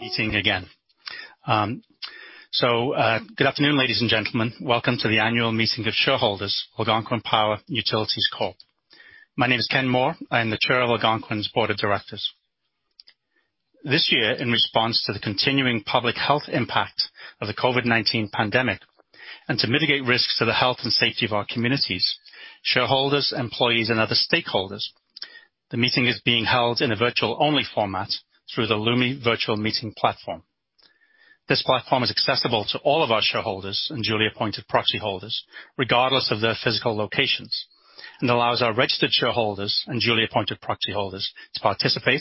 Meeting again. Good afternoon, ladies and gentlemen. Welcome to the annual meeting of shareholders, Algonquin Power & Utilities Corp. My name is Ken Moore. I am the Chair of Algonquin's board of directors. This year, in response to the continuing public health impact of the COVID-19 pandemic, and to mitigate risks to the health and safety of our communities, shareholders, employees, and other stakeholders, the meeting is being held in a virtual-only format through the Lumi virtual meeting platform. This platform is accessible to all of our shareholders and duly appointed proxy holders, regardless of their physical locations, and allows our registered shareholders and duly appointed proxy holders to participate,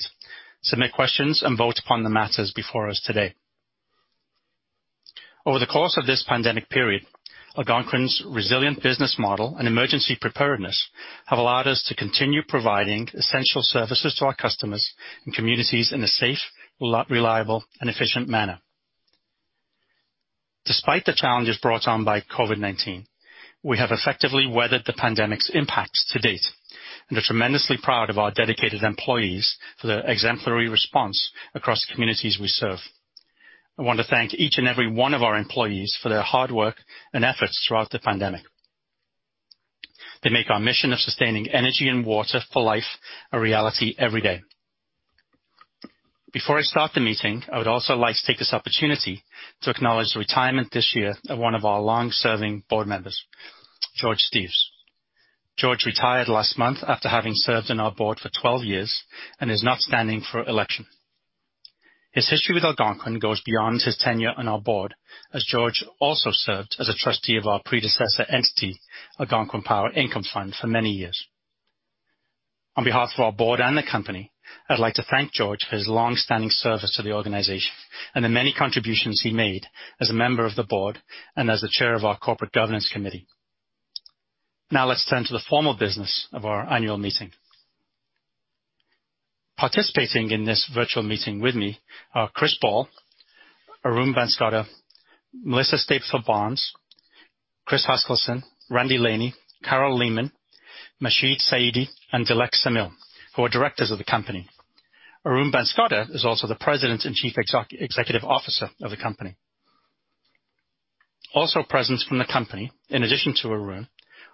submit questions, and vote upon the matters before us today. Over the course of this pandemic period, Algonquin's resilient business model and emergency preparedness have allowed us to continue providing essential services to our customers and communities in a safe, reliable, and efficient manner. Despite the challenges brought on by COVID-19, we have effectively weathered the pandemic's impacts to date and are tremendously proud of our dedicated employees for their exemplary response across the communities we serve. I want to thank each and every one of our employees for their hard work and efforts throughout the pandemic. They make our mission of sustaining energy and water for life a reality every day. Before I start the meeting, I would also like to take this opportunity to acknowledge the retirement this year of one of our long-serving board members, George Steeves. George retired last month after having served on our board for 12 years and is not standing for election. His history with Algonquin goes beyond his tenure on our board, as George also served as a trustee of our predecessor entity, Algonquin Power Income Fund, for many years. On behalf of our board and the company, I'd like to thank George for his long-standing service to the organization and the many contributions he made as a member of the board and as the chair of our corporate governance committee. Now let's turn to the formal business of our annual meeting. Participating in this virtual meeting with me are Chris Ball, Arun Banskota, Melissa Stapleton Barnes, Chris Huskilson, Randy Laney, Carol Leaman, Masheed Saidi, and Dilek Samil, who are directors of the company. Arun Banskota is also the President and Chief Executive Officer of the company. Also present from the company, in addition to Arun,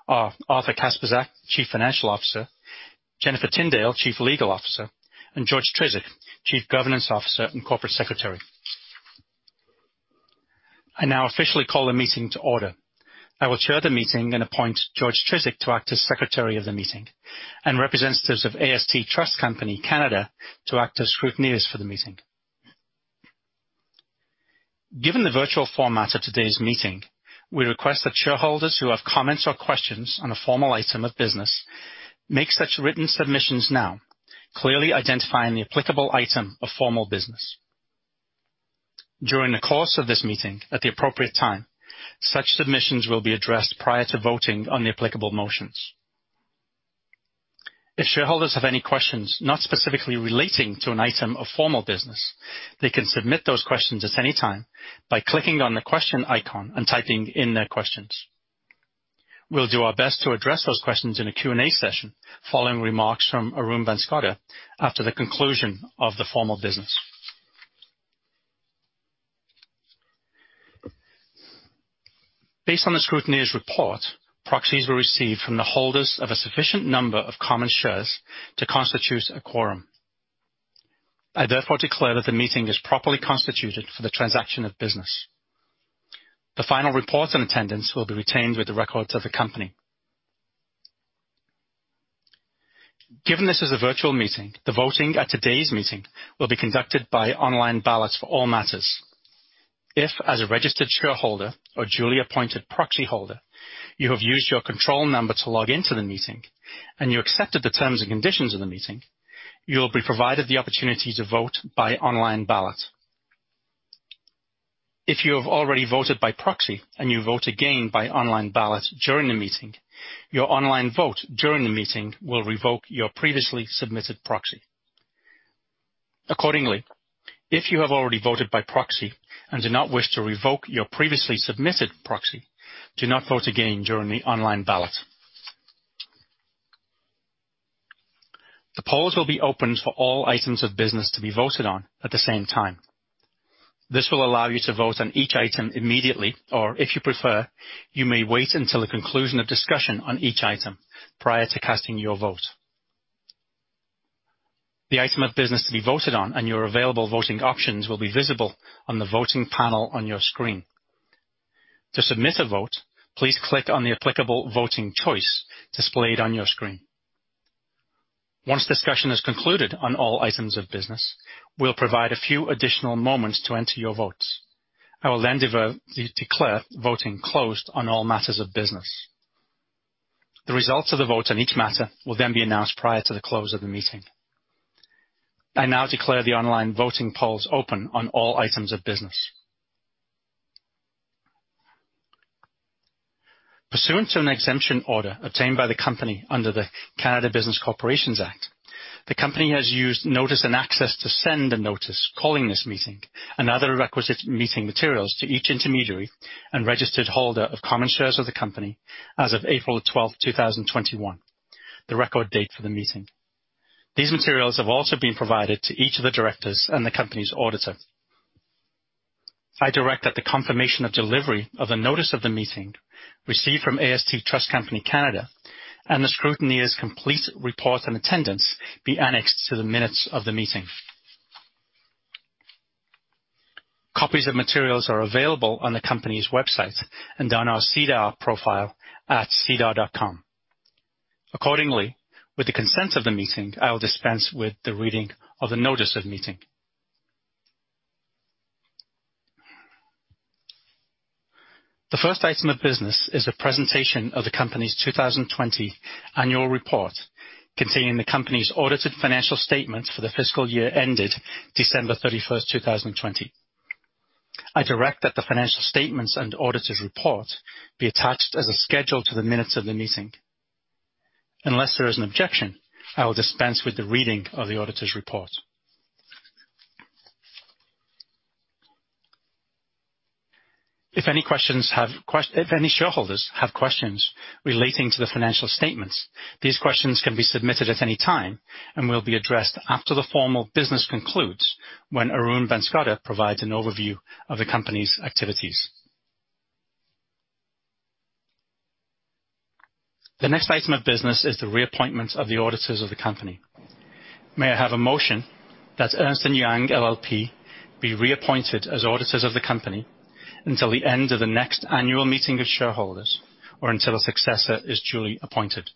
are Arthur Kacprzak, Chief Financial Officer, Jennifer Tindale, Chief Legal Officer, and George Trisic, Chief Governance Officer and Corporate Secretary. I now officially call the meeting to order. I will chair the meeting and appoint George Trisic to act as secretary of the meeting, and representatives of AST Trust Company (Canada) to act as scrutineers for the meeting. Given the virtual format of today's meeting, we request that shareholders who have comments or questions on a formal item of business make such written submissions now, clearly identifying the applicable item of formal business. During the course of this meeting, at the appropriate time, such submissions will be addressed prior to voting on the applicable motions. If shareholders have any questions not specifically relating to an item of formal business, they can submit those questions at any time by clicking on the question icon and typing in their questions. We'll do our best to address those questions in a Q&A session following remarks from Arun Banskota after the conclusion of the formal business. Based on the scrutineers' report, proxies were received from the holders of a sufficient number of common shares to constitute a quorum. I therefore declare that the meeting is properly constituted for the transaction of business. The final report on attendance will be retained with the records of the company. Given this is a virtual meeting, the voting at today's meeting will be conducted by online ballots for all matters. If, as a registered shareholder or duly appointed proxy holder, you have used your control number to log into the meeting, and you accepted the terms and conditions of the meeting, you will be provided the opportunity to vote by online ballot. If you have already voted by proxy and you vote again by online ballot during the meeting, your online vote during the meeting will revoke your previously submitted proxy. Accordingly, if you have already voted by proxy and do not wish to revoke your previously submitted proxy, do not vote again during the online ballot. The polls will be open for all items of business to be voted on at the same time. This will allow you to vote on each item immediately, or if you prefer, you may wait until the conclusion of discussion on each item prior to casting your vote. The item of business to be voted on and your available voting options will be visible on the voting panel on your screen. To submit a vote, please click on the applicable voting choice displayed on your screen. Once discussion is concluded on all items of business, we'll provide a few additional moments to enter your votes. I will then declare voting closed on all matters of business. The results of the vote on each matter will then be announced prior to the close of the meeting. I now declare the online voting polls open on all items of business. Pursuant to an exemption order obtained by the company under the Canada Business Corporations Act, the company has used notice and access to send the notice calling this meeting and other requisite meeting materials to each intermediary and registered holder of common shares of the company as of April 12th, 2021. The record date for the meeting. These materials have also been provided to each of the directors and the company's auditor. I direct that the confirmation of delivery of the notice of the meeting received from AST Trust Company (Canada) and the scrutineer's complete report and attendance be annexed to the minutes of the meeting. Copies of materials are available on the company's website and on our SEDAR profile at sedar.com. Accordingly, with the consent of the meeting, I will dispense with the reading of the notice of meeting. The first item of business is the presentation of the company's 2020 annual report, containing the company's audited financial statements for the fiscal year ended December 31st, 2020. I direct that the financial statements and auditor's report be attached as a schedule to the minutes of the meeting. Unless there is an objection, I will dispense with the reading of the auditor's report. If any shareholders have questions relating to the financial statements, these questions can be submitted at any time and will be addressed after the formal business concludes when Arun Banskota provides an overview of the company's activities. The next item of business is the reappointment of the auditors of the company. May I have a motion that Ernst & Young LLP be reappointed as auditors of the company until the end of the next annual meeting of shareholders or until a successor is duly appointed.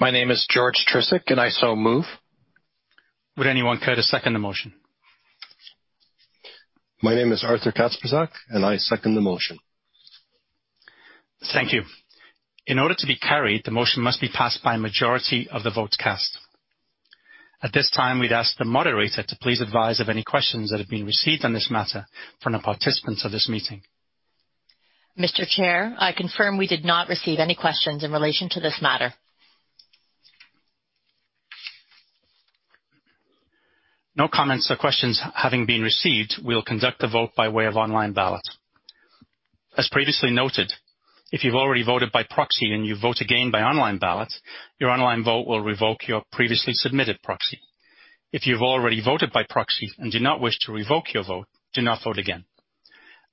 My name is George Trisic and I so move. Would anyone care to second the motion? My name is Arthur Kacprzak and I second the motion. Thank you. In order to be carried, the motion must be passed by a majority of the votes cast. At this time, we'd ask the moderator to please advise of any questions that have been received on this matter from the participants of this meeting. Mr. Chair, I confirm we did not receive any questions in relation to this matter. No comments or questions having been received, we will conduct the vote by way of online ballot. As previously noted, if you've already voted by proxy and you vote again by online ballot, your online vote will revoke your previously submitted proxy. If you've already voted by proxy and do not wish to revoke your vote, do not vote again.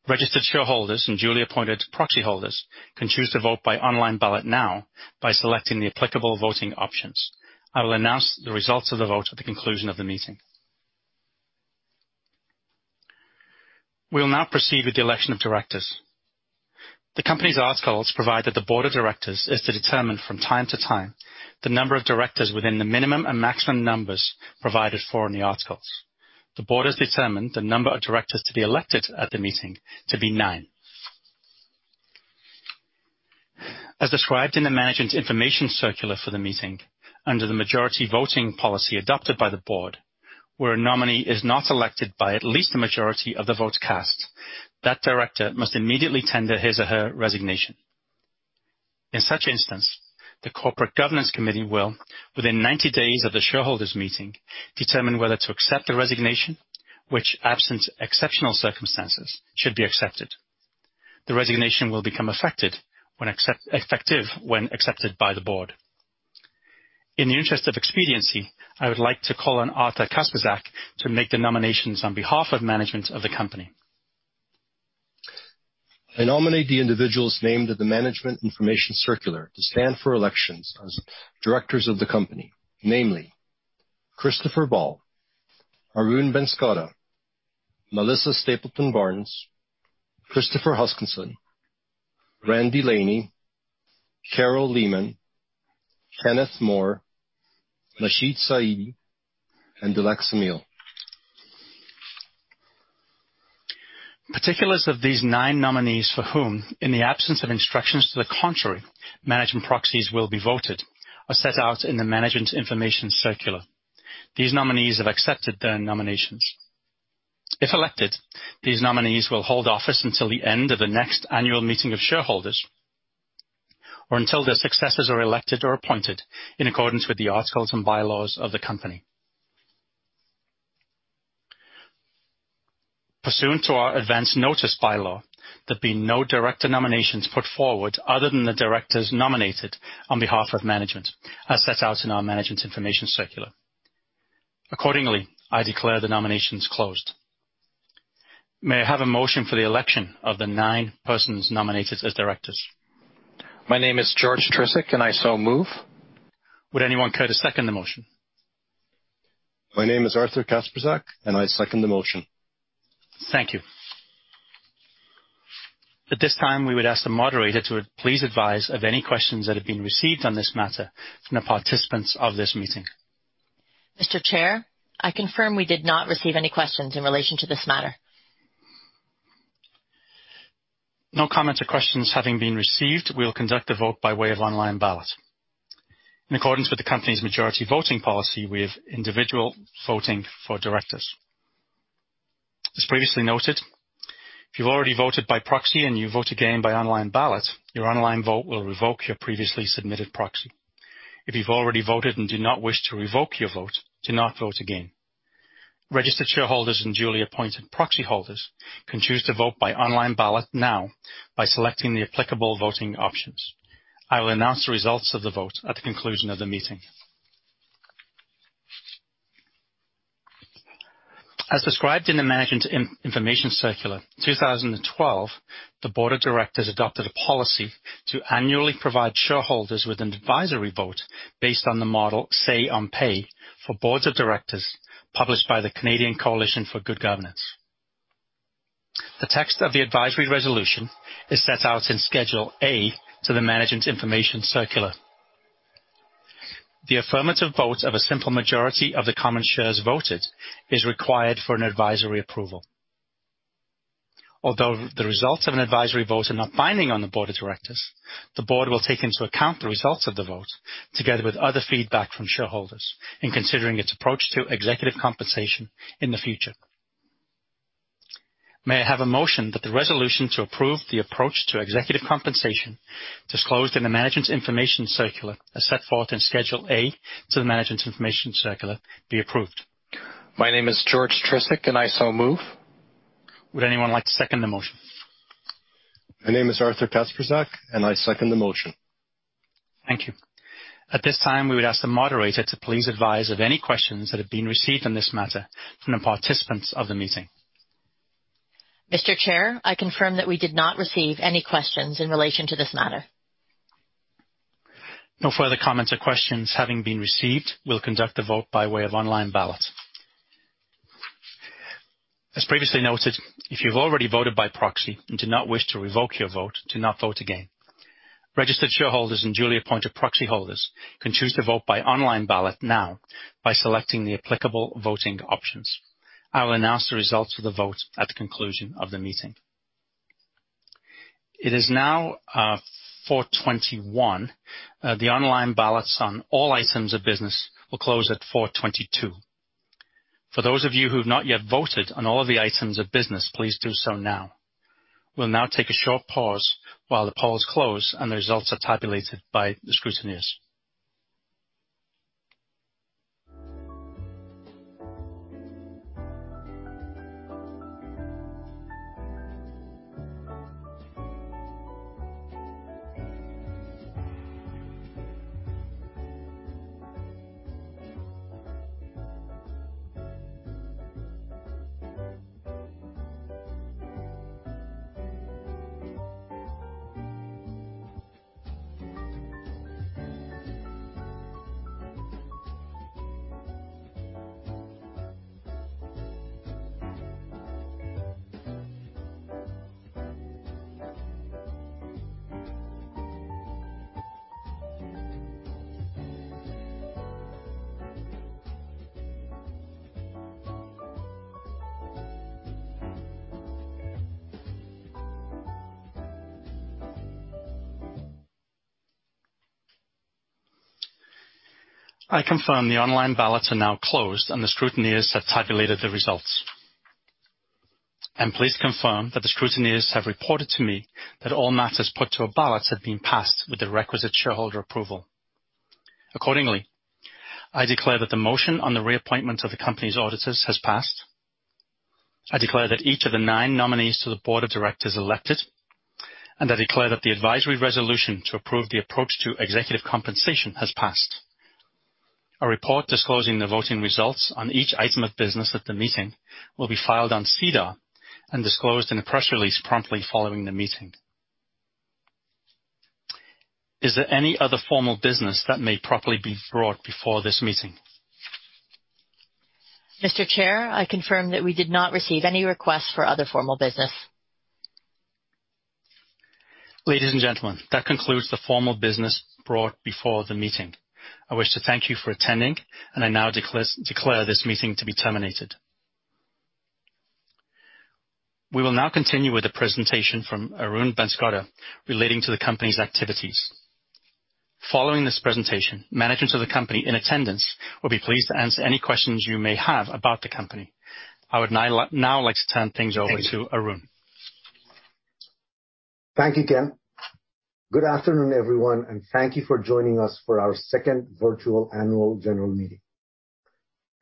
Registered shareholders and duly appointed proxy holders can choose to vote by online ballot now by selecting the applicable voting options. I will announce the results of the vote at the conclusion of the meeting. We will now proceed with the election of directors. The company's articles provide that the board of directors is to determine from time to time the number of directors within the minimum and maximum numbers provided for in the articles. The board has determined the number of directors to be elected at the meeting to be nine. As described in the Management Information Circular for the meeting, under the majority voting policy adopted by the board, where a nominee is not selected by at least a majority of the votes cast, that director must immediately tender his or her resignation. In such instance, the Corporate Governance Committee will, within 90 days of the shareholders' meeting, determine whether to accept the resignation, which, absent exceptional circumstances, should be accepted. The resignation will become effective when accepted by the board. In the interest of expediency, I would like to call on Arthur Kacprzak to make the nominations on behalf of management of the company. I nominate the individuals named in the Management Information Circular to stand for elections as directors of the company, namely Christopher Ball, Arun Banskota, Melissa Stapleton Barnes, Christopher Huskilson, Randy Laney, Carol Leaman, Kenneth Moore, Masheed Saidi, and Dilek Samil. Particulars of these nine nominees for whom, in the absence of instructions to the contrary, management proxies will be voted, are set out in the Management Information Circular. These nominees have accepted their nominations. If elected, these nominees will hold office until the end of the next annual meeting of shareholders or until their successors are elected or appointed in accordance with the articles and bylaws of the company. Pursuant to our advanced notice bylaw, there have been no director nominations put forward other than the directors nominated on behalf of management, as set out in our Management Information Circular. Accordingly, I declare the nominations closed. May I have a motion for the election of the nine persons nominated as directors? My name is George Trisic and I so move. Would anyone care to second the motion? My name is Arthur Kacprzak and I second the motion. Thank you. At this time, we would ask the moderator to please advise of any questions that have been received on this matter from the participants of this meeting. Mr. Chair, I confirm we did not receive any questions in relation to this matter. No comments or questions having been been received, we will conduct the vote by way of online ballot. In accordance with the company's majority voting policy, we have individual voting for directors. As previously noted, if you've already voted by proxy and you vote again by online ballot, your online vote will revoke your previously submitted proxy. If you've already voted and do not wish to revoke your vote, do not vote again. Registered shareholders and duly appointed proxyholders can choose to vote by online ballot now by selecting the applicable voting options. I will announce the results of the vote at the conclusion of the meeting. As described in the Management Information Circular, 2012, the board of directors adopted a policy to annually provide shareholders with an advisory vote based on the model Say on Pay for boards of directors published by the Canadian Coalition for Good Governance. The text of the advisory resolution is set out in Schedule A to the Management Information Circular. The affirmative vote of a simple majority of the common shares voted is required for an advisory approval. Although the results of an advisory vote are not binding on the board of directors, the board will take into account the results of the vote, together with other feedback from shareholders in considering its approach to executive compensation in the future. May I have a motion that the resolution to approve the approach to executive compensation disclosed in Management Information Circular, as set forth in Schedule A to Management Information Circular, be approved. My name is George Trisic, and I so move. Would anyone like to second the motion? My name is Arthur Kacprzak, and I second the motion. Thank you. At this time, we would ask the moderator to please advise of any questions that have been received on this matter from the participants of the meeting. Mr. Chair, I confirm that we did not receive any questions in relation to this matter. No further comments or questions having been received, we'll conduct the vote by way of online ballot. As previously noted, if you've already voted by proxy and do not wish to revoke your vote, do not vote again. Registered shareholders and duly appointed proxyholders can choose to vote by online ballot now by selecting the applicable voting options. I will announce the results of the vote at the conclusion of the meeting. It is now 4:21 P.M. The online ballots on all items of business will close at 4:22 P.M. For those of you who have not yet voted on all the items of business, please do so now. We'll now take a short pause while the polls close and the results are tabulated by the scrutineers. I confirm the online ballots are now closed, and the scrutineers have tabulated the results. Please confirm that the scrutineers have reported to me that all matters put to a ballot have been passed with the requisite shareholder approval. Accordingly, I declare that the motion on the reappointment of the company's auditors has passed. I declare that each of the nine nominees to the board of directors elected, and I declare that the advisory resolution to approve the approach to executive compensation has passed. A report disclosing the voting results on each item of business at the meeting will be filed on SEDAR and disclosed in a press release promptly following the meeting. Is there any other formal business that may properly be brought before this meeting? Mr. Chair, I confirm that we did not receive any requests for other formal business. Ladies and gentlemen, that concludes the formal business brought before the meeting. I wish to thank you for attending, and I now declare this meeting to be terminated. We will now continue with a presentation from Arun Banskota relating to the company's activities. Following this presentation, management of the company in attendance will be pleased to answer any questions you may have about the company. I would now like to turn things over to Arun. Thank you, Ken. Good afternoon, everyone. Thank you for joining us for our second virtual annual general meeting.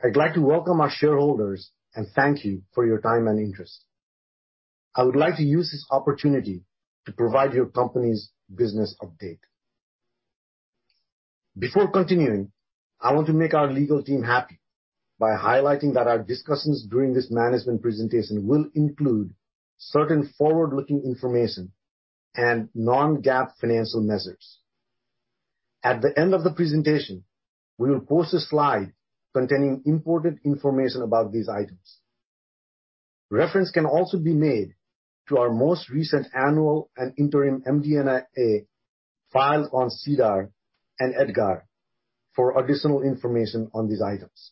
I'd like to welcome our shareholders and thank you for your time and interest. I would like to use this opportunity to provide your company's business update. Before continuing, I want to make our legal team happy by highlighting that our discussions during this management presentation will include certain forward-looking information and non-GAAP financial measures. At the end of the presentation, we will post a slide containing important information about these items. Reference can also be made to our most recent annual and interim MD&A files on SEDAR and EDGAR for additional information on these items.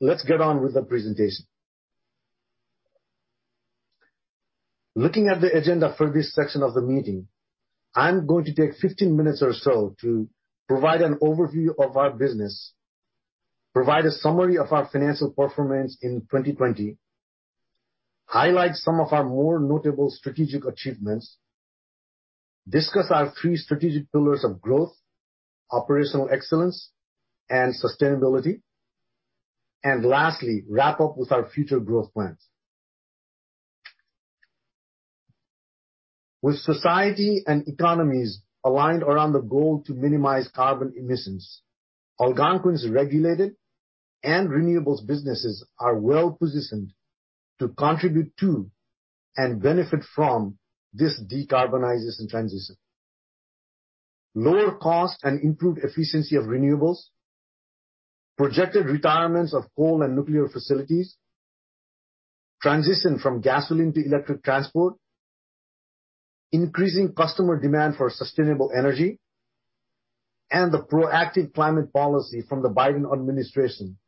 Let's get on with the presentation. Looking at the agenda for this section of the meeting, I'm going to take 15 minutes or so to provide an overview of our business, provide a summary of our financial performance in 2020, highlight some of our more notable strategic achievements, discuss our three strategic pillars of growth, operational excellence, and sustainability, and lastly, wrap up with our future growth plans. With society and economies aligned around the goal to minimize carbon emissions, Algonquin's regulated and renewables businesses are well-positioned to contribute to and benefit from this decarbonization transition. Lower cost and improved efficiency of renewables, projected retirements of coal and nuclear facilities, transition from gasoline to electric transport, increasing customer demand for sustainable energy, and the proactive climate policy from the Biden administration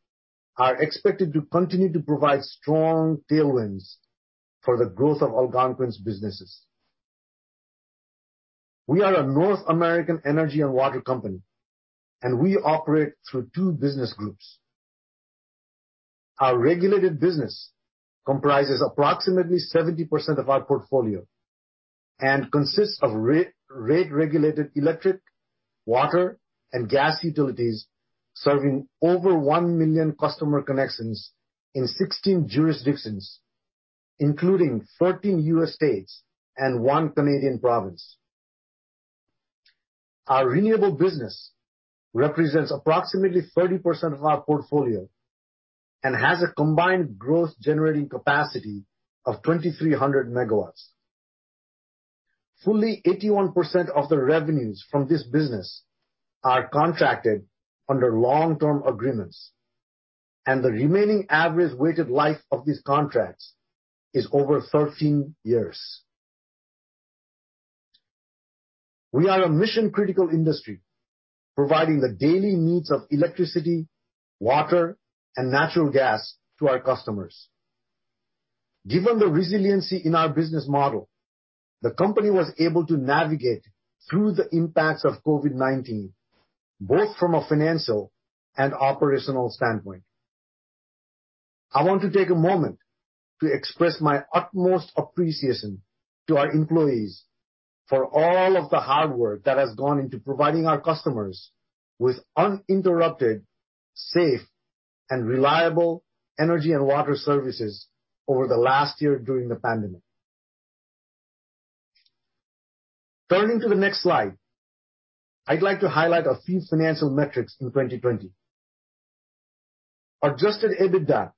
are expected to continue to provide strong tailwinds for the growth of Algonquin's businesses. We are a North American energy and water company, and we operate through two business groups. Our regulated business comprises approximately 70% of our portfolio and consists of rate-regulated electric, water, and gas utilities serving over one million customer connections in 16 jurisdictions, including 13 U.S. states and one Canadian province. Our renewable business represents approximately 30% of our portfolio and has a combined gross generating capacity of 2,300 MW. Fully 81% of the revenues from this business are contracted under long-term agreements, and the remaining average weighted life of these contracts is over 13 years. We are a mission-critical industry providing the daily needs of electricity, water, and natural gas to our customers. Given the resiliency in our business model, the company was able to navigate through the impacts of COVID-19, both from a financial and operational standpoint. I want to take a moment to express my utmost appreciation to our employees for all of the hard work that has gone into providing our customers with uninterrupted, safe, and reliable energy and water services over the last year during the pandemic. Turning to the next slide, I'd like to highlight a few financial metrics from 2020. Adjusted EBITDA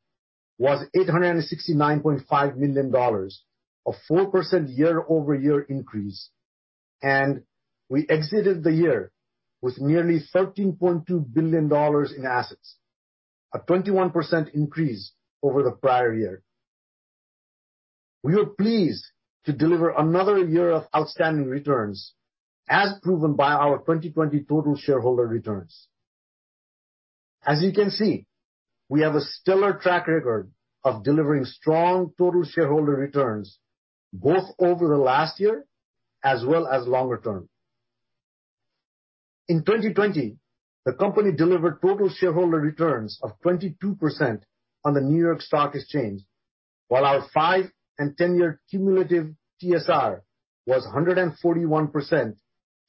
was 869.5 million dollars, a 4% year-over-year increase, and we exited the year with nearly 13.2 billion dollars in assets, a 21% increase over the prior year. We are pleased to deliver another year of outstanding returns, as proven by our 2020 total shareholder returns. As you can see, we have a stellar track record of delivering strong total shareholder returns both over the last year as well as longer-term. In 2020, the company delivered total shareholder returns of 22% on the New York Stock Exchange, while our five and 10 year cumulative TSR was 141%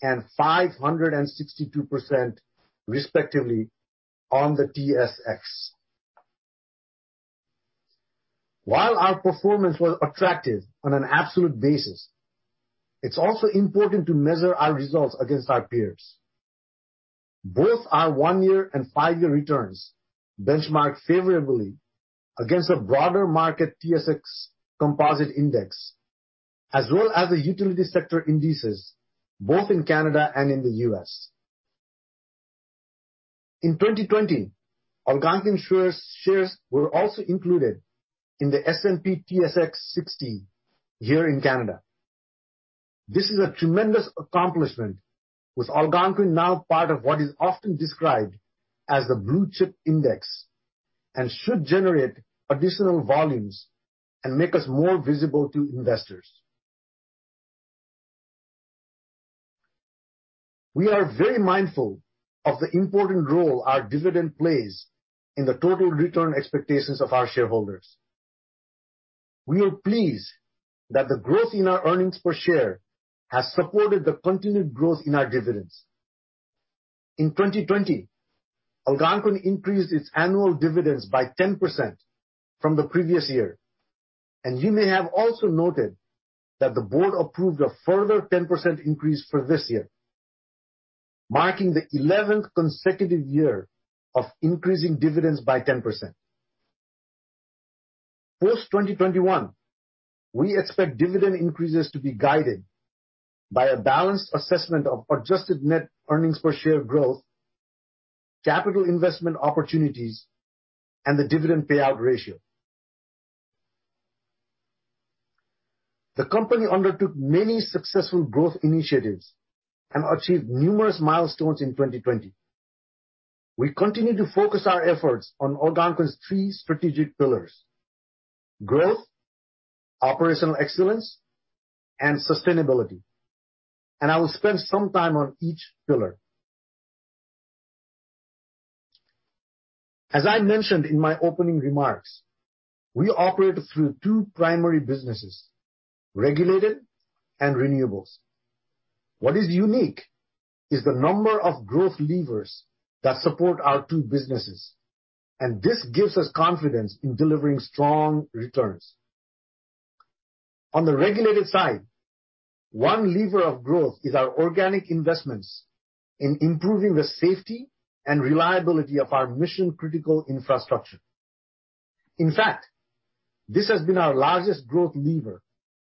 and 562% respectively on the TSX. While our performance was attractive on an absolute basis, it is also important to measure our results against our peers. Both our one-year and five-year returns benchmark favorably against the broader market TSX Composite Index, as well as the utility sector indices, both in Canada and in the U.S. In 2020, Algonquin shares were also included in the S&P/TSX 60 here in Canada. This is a tremendous accomplishment, with Algonquin now part of what is often described as the blue-chip index, and should generate additional volumes and make us more visible to investors. We are very mindful of the important role our dividend plays in the total return expectations of our shareholders. We are pleased that the growth in our earnings per share has supported the continued growth in our dividends. In 2020, Algonquin increased its annual dividends by 10% from the previous year. You may have also noted that the board approved a further 10% increase for this year, marking the 11th consecutive year of increasing dividends by 10%. Post-2021, we expect dividend increases to be guided by a balanced assessment of adjusted net earnings per share growth, capital investment opportunities, and the dividend payout ratio. The company undertook many successful growth initiatives and achieved numerous milestones in 2020. We continue to focus our efforts on Algonquin's three strategic pillars: growth, operational excellence, and sustainability. I will spend some time on each pillar. As I mentioned in my opening remarks, we operate through two primary businesses, regulated and renewables. What is unique is the number of growth levers that support our two businesses, and this gives us confidence in delivering strong returns. On the regulated side, one lever of growth is our organic investments in improving the safety and reliability of our mission-critical infrastructure. In fact, this has been our largest growth lever,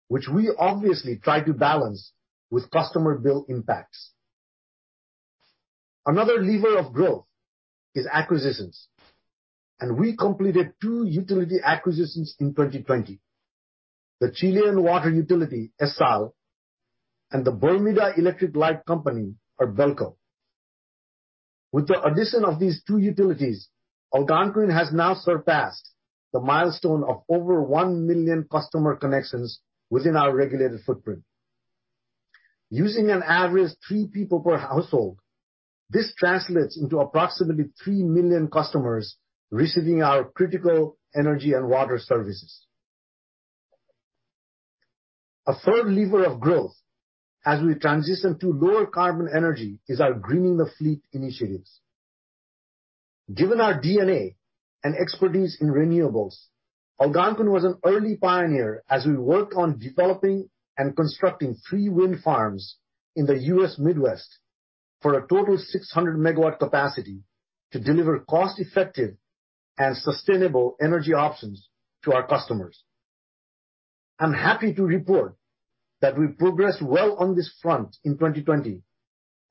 which we obviously try to balance with customer bill impacts. Another lever of growth is acquisitions, and we completed two utility acquisitions in 2020: the Chilean water utility, ESSAL, and the Bermuda Electric Light Company or BELCO. With the addition of these two utilities, Algonquin has now surpassed the milestone of over 1 million customer connections within our regulated footprint. Using an average three people per household, this translates into approximately 3 million customers receiving our critical energy and water services. A third lever of growth as we transition to lower carbon energy is our greening the fleet initiatives. Given our DNA and expertise in renewables, Algonquin was an early pioneer as we worked on developing and constructing three wind farms in the U.S. Midwest for a total 600 MW capacity to deliver cost-effective and sustainable energy options to our customers. I'm happy to report that we progressed well on this front in 2020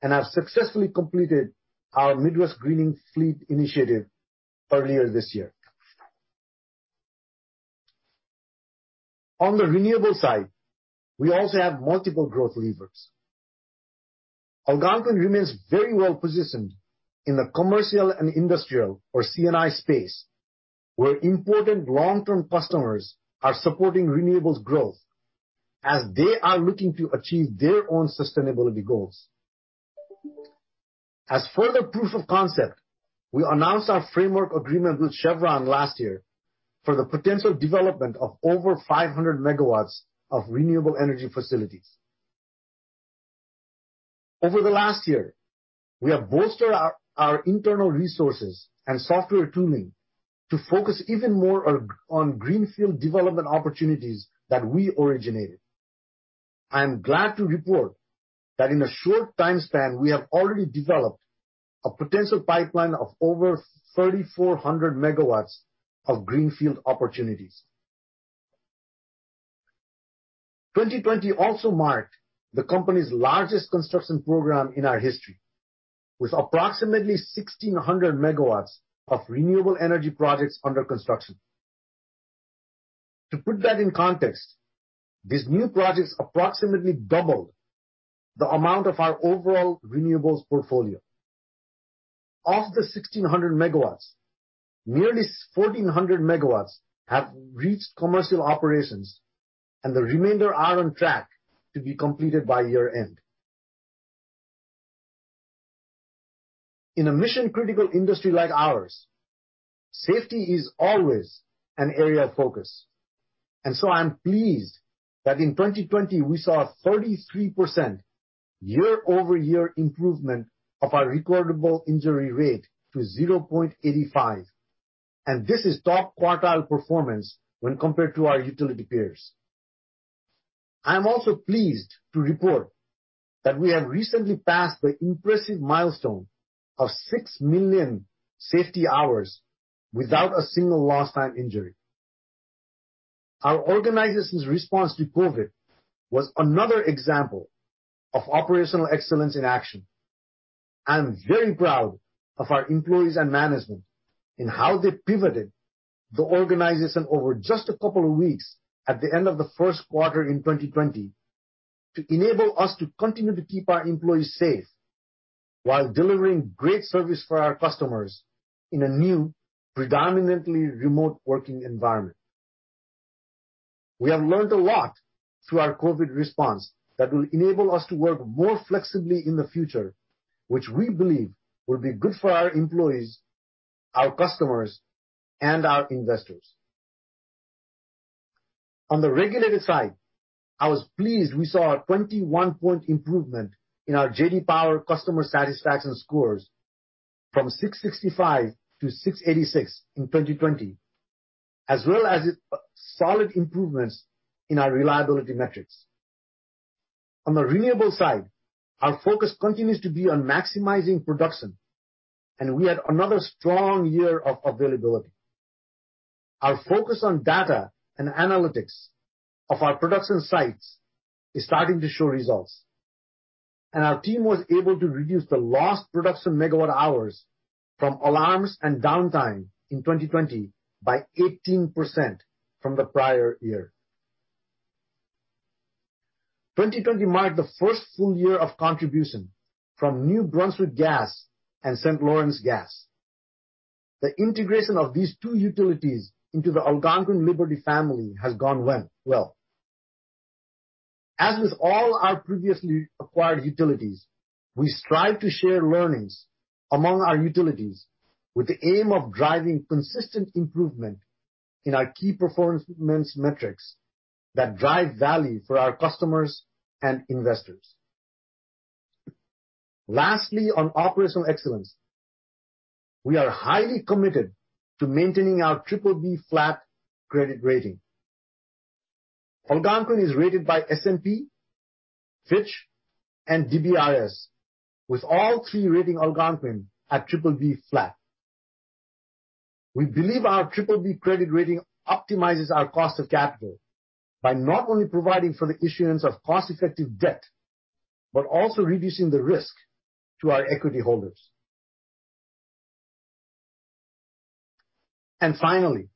and have successfully completed our Midwest greening the fleet initiative earlier this year. On the renewable side, we also have multiple growth levers. Algonquin remains very well-positioned in the commercial and industrial or C&I space, where important long-term customers are supporting renewables growth as they are looking to achieve their own sustainability goals. As further proof of concept, we announced our framework agreement with Chevron last year for the potential development of over 500 MW of renewable energy facilities. Over the last year, we have bolstered our internal resources and software tooling to focus even more on greenfield development opportunities that we originated. I am glad to report that in a short time span, we have already developed a potential pipeline of over 3,400 MW of greenfield opportunities. 2020 also marked the company's largest construction program in our history, with approximately 1,600 MW of renewable energy projects under construction. To put that in context, these new projects approximately doubled the amount of our overall renewables portfolio. Of the 1,600 MW, nearly 1,400 MW have reached commercial operations, and the remainder are on track to be completed by year-end. In a mission-critical industry like ours, safety is always an area of focus. I'm pleased that in 2020, we saw a 33% year-over-year improvement of our recordable injury rate to 0.85, and this is top quartile performance when compared to our utility peers. I'm also pleased to report that we have recently passed the impressive milestone of 6 million safety hours without a single lost time injury. Our organization's response to COVID was another example of operational excellence in action. I'm very proud of our employees and management in how they pivoted the organization over just a couple of weeks at the end of the first quarter in 2020 to enable us to continue to keep our employees safe while delivering great service for our customers in a new, predominantly remote working environment. We have learned a lot through our COVID-19 response that will enable us to work more flexibly in the future, which we believe will be good for our employees, our customers, and our investors. On the regulated side, I was pleased we saw a 21 point improvement in our JD Power customer satisfaction scores from 665 to 686 in 2020, as well as solid improvements in our reliability metrics. On the renewable side, our focus continues to be on maximizing production, and we had another strong year of availability. Our focus on data and analytics of our production sites is starting to show results, and our team was able to reduce the lost production megawatt hours from alarms and downtime in 2020 by 18% from the prior year. 2020 marked the first full year of contribution from New Brunswick Gas and St. Lawrence Gas. The integration of these two utilities into the Algonquin Liberty family has gone well. As with all our previously acquired utilities, we strive to share learnings among our utilities with the aim of driving consistent improvement in our key performance metrics that drive value for our customers and investors. Lastly, on operational excellence, we are highly committed to maintaining our BBB flat credit rating. Algonquin is rated by S&P, Fitch, and DBRS, with all three rating Algonquin at BBB flat. We believe our BBB credit rating optimizes our cost of capital by not only providing for the issuance of cost-effective debt, but also reducing the risk to our equity holders. Finally,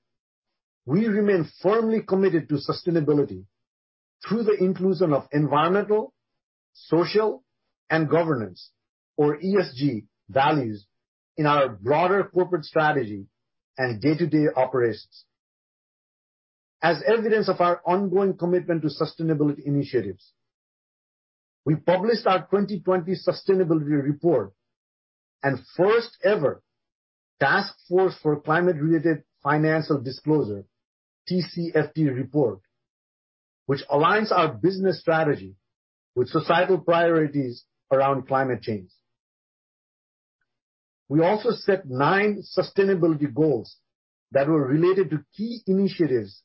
we remain firmly committed to sustainability through the inclusion of environmental, social, and governance, or ESG, values in our broader corporate strategy and day-to-day operations. As evidence of our ongoing commitment to sustainability initiatives, we published our 2020 sustainability report and first ever Task Force on Climate-Related Financial Disclosures, TCFD, report, which aligns our business strategy with societal priorities around climate change. We also set nine sustainability goals that were related to key initiatives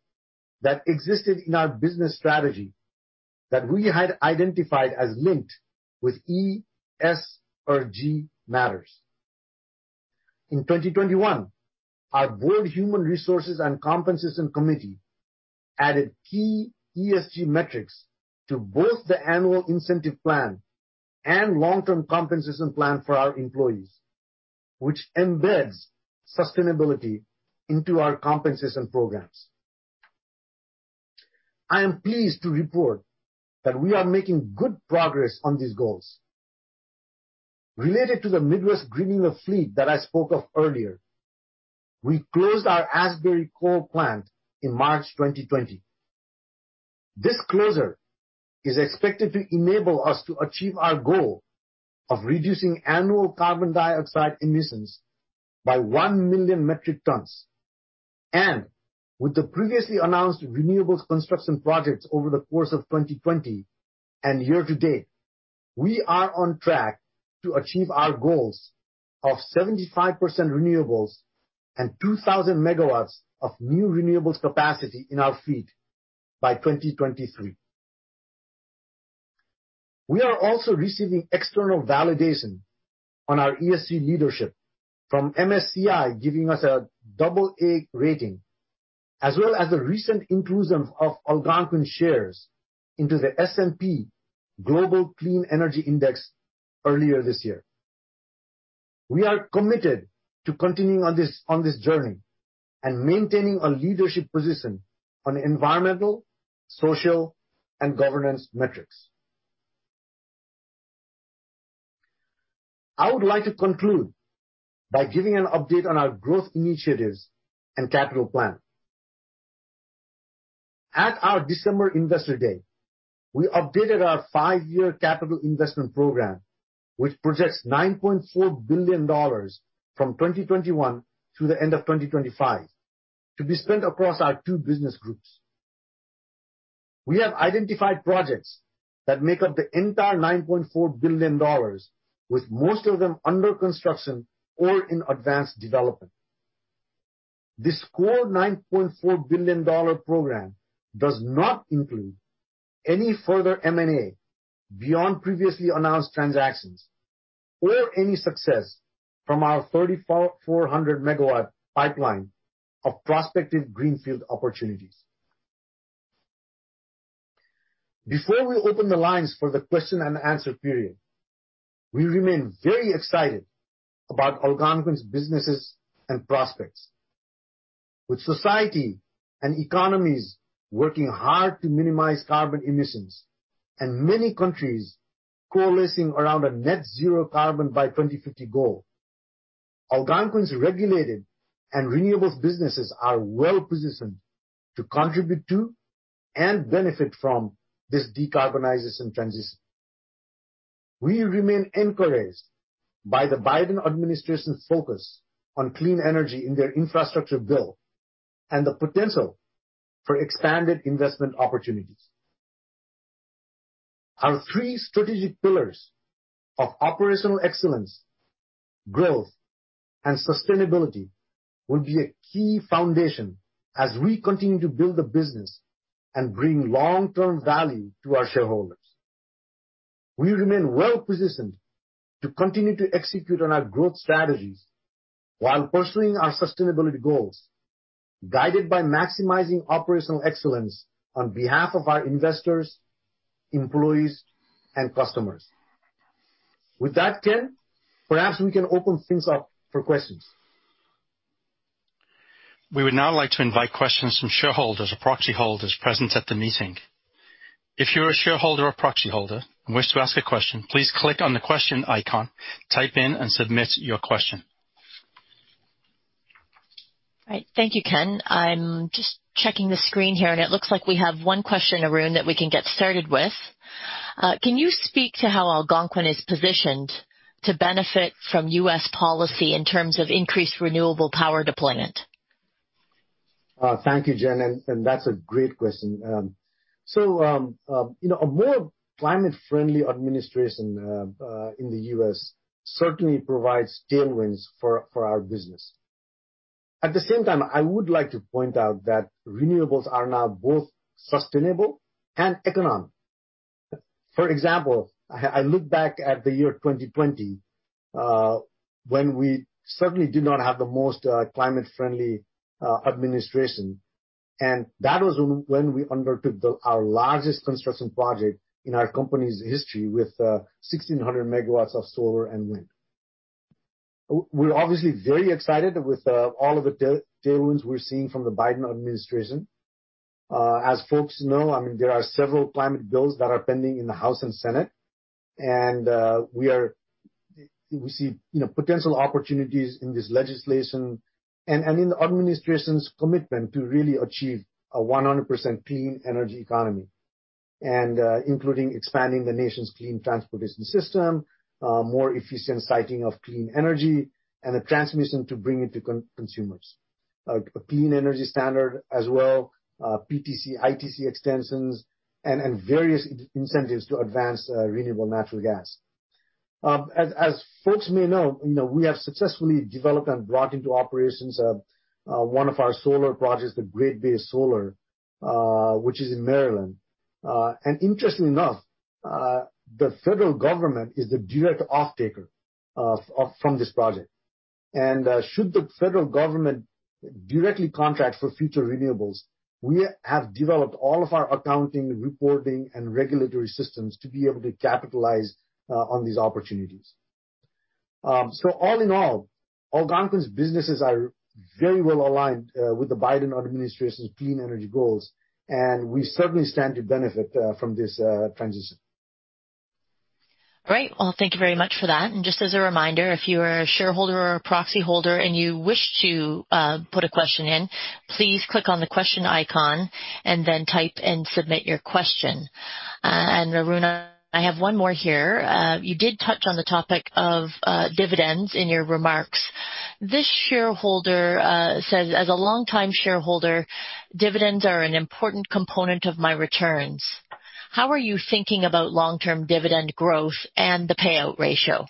that existed in our business strategy that we had identified as linked with E, S, or G matters. In 2021, our board human resources and compensation committee added key ESG metrics to both the annual incentive plan and long-term compensation plan for our employees, which embeds sustainability into our compensation programs. I am pleased to report that we are making good progress on these goals. Related to the Midwest greening the fleet that I spoke of earlier, we closed our Asbury coal plant in March 2020. This closure is expected to enable us to achieve our goal of reducing annual carbon dioxide emissions by 1 million metric tons. With the previously announced renewables construction projects over the course of 2020 and year to date, we are on track to achieve our goals of 75% renewables and 2,000 MW of new renewables capacity in our fleet by 2023. We are also receiving external validation on our ESG leadership from MSCI, giving us an AA rating, as well as the recent inclusion of Algonquin shares into the S&P Global Clean Energy Index earlier this year. We are committed to continuing on this journey and maintaining a leadership position on environmental, social, and governance metrics. I would like to conclude by giving an update on our growth initiatives and capital plan. At our December investor day, we updated our five-year capital investment program, which projects 9.4 billion dollars from 2021 to the end of 2025 to be spent across our two business groups. We have identified projects that make up the entire 9.4 billion dollars, with most of them under construction or in advanced development. This core 9.4 billion dollar program does not include any further M&A beyond previously announced transactions or any success from our 3,400 MW pipeline of prospective greenfield opportunities. Before we open the lines for the question and answer period, we remain very excited about Algonquin's businesses and prospects. With society and economies working hard to minimize carbon emissions and many countries coalescing around a net zero carbon by 2050 goal, Algonquin's regulated and renewables businesses are well-positioned to contribute to and benefit from this decarbonization transition. We remain encouraged by the Biden administration's focus on clean energy in their infrastructure bill and the potential for expanded investment opportunities. Our three strategic pillars of operational excellence, growth, and sustainability will be a key foundation as we continue to build the business and bring long-term value to our shareholders. We remain well-positioned to continue to execute on our growth strategies while pursuing our sustainability goals, guided by maximizing operational excellence on behalf of our investors, employees, and customers. With that, Ken, perhaps we can open things up for questions. We would now like to invite questions from shareholders or proxy holders present at the meeting. If you're a shareholder or proxy holder and wish to ask a question, please click on the question icon, type in, and submit your question. Right. Thank you, Ken. I'm just checking the screen here, and it looks like we have one question, Arun, that we can get started with. Can you speak to how Algonquin is positioned to benefit from U.S. policy in terms of increased renewable power deployment? Thank you, Jen, and that's a great question. A more climate-friendly administration in the U.S. certainly provides tailwinds for our business. At the same time, I would like to point out that renewables are now both sustainable and economic. For example, I look back at the year 2020, when we certainly did not have the most climate-friendly administration, and that was when we undertook our largest construction project in our company's history with 1,600 MW of solar and wind. We're obviously very excited with all of the tailwinds we're seeing from the Biden administration. As folks know, there are several climate bills that are pending in the House and Senate, and we see potential opportunities in this legislation and in the administration's commitment to really achieve a 100% clean energy economy, including expanding the nation's clean transportation system, more efficient siting of clean energy, and the transmission to bring it to consumers. A clean energy standard as well, PTC, ITC extensions, and various incentives to advance renewable natural gas. As folks may know, we have successfully developed and brought into operations one of our solar projects, the Great Bay Solar, which is in Maryland. Interestingly enough, the federal government is the direct offtaker from this project. Should the federal government directly contract for future renewables, we have developed all of our accounting, reporting, and regulatory systems to be able to capitalize on these opportunities. All in all, Algonquin's businesses are very well aligned with the Biden administration's clean energy goals, and we certainly stand to benefit from this transition. Great. Well, thank you very much for that. Just as a reminder, if you are a shareholder or a proxy holder and you wish to put a question in, please click on the question icon and then type and submit your question. Arun, I have one more here. You did touch on the topic of dividends in your remarks. This shareholder says, as a longtime shareholder, dividends are an important component of my returns. How are you thinking about long-term dividend growth and the payout ratio?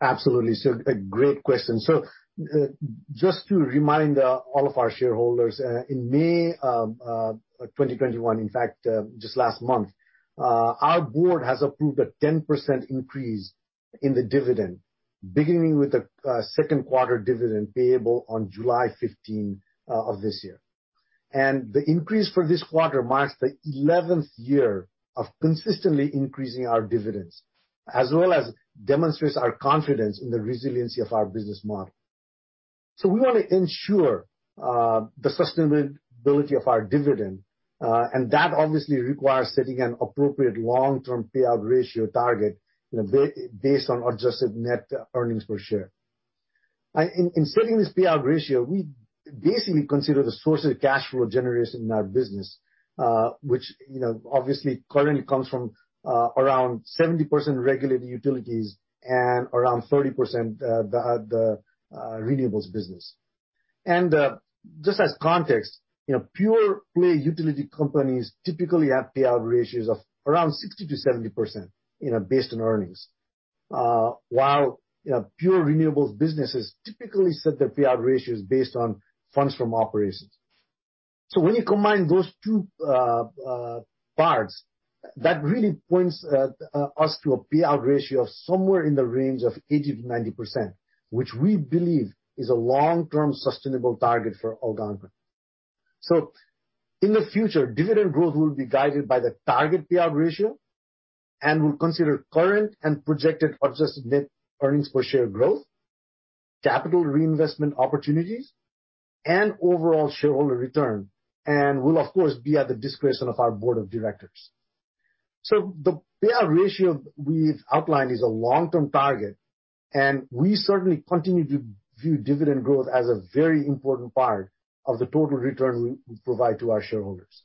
Absolutely. A great question. Just to remind all of our shareholders, in May of 2021, in fact, just last month, our board has approved a 10% increase in the dividend, beginning with the second quarter dividend payable on July 15 of this year. The increase for this quarter marks the 11th year of consistently increasing our dividends, as well as demonstrates our confidence in the resiliency of our business model. We want to ensure the sustainability of our dividend, and that obviously requires setting an appropriate long-term payout ratio target based on adjusted net earnings per share. In setting this payout ratio, we basically consider the sources of cash flow generation in our business, which obviously currently comes from around 70% regulated utilities and around 30% the renewables business. Just as context, pure-play utility companies typically have payout ratios of around 60%-70%, based on earnings. While pure renewables businesses typically set their payout ratios based on funds from operations. When you combine those two parts, that really points us to a payout ratio of somewhere in the range of 80%-90%, which we believe is a long-term sustainable target for Algonquin. In the future, dividend growth will be guided by the target payout ratio and will consider current and projected adjusted net earnings per share growth, capital reinvestment opportunities, and overall shareholder return, and will, of course, be at the discretion of our board of directors. The payout ratio we've outlined is a long-term target, and we certainly continue to view dividend growth as a very important part of the total return we provide to our shareholders.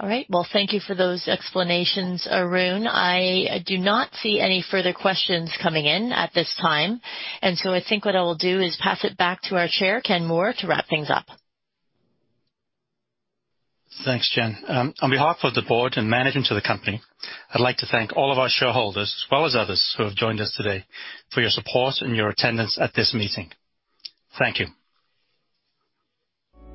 All right. Well, thank you for those explanations, Arun. I do not see any further questions coming in at this time. I think what I will do is pass it back to our Chair, Ken Moore, to wrap things up. Thanks, Jen. On behalf of the board and management of the company, I'd like to thank all of our shareholders, as well as others who have joined us today, for your support and your attendance at this meeting. Thank you.